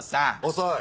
遅い！